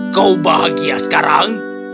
kau bahagia sekarang